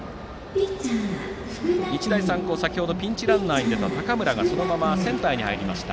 日大三高先程ピンチランナーに出た高村がそのままセンターに入りました。